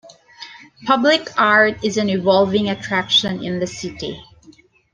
Public art is an evolving attraction in the city.